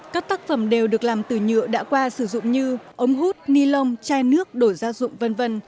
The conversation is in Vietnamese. các tác phẩm đều được làm từ nhựa đã qua sử dụng như ống hút ni lông chai nước đổ gia dụng v v